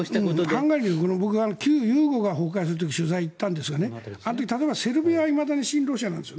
ハンガリーの旧ユーゴが崩壊した時に取材に行ったんですがあの時、例えばセルビアはいまだに親ロシアなんです。